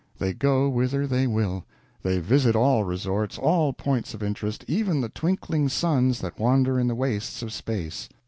They go whither they will; they visit all resorts, all points of interest, even the twinkling suns that wander in the wastes of space.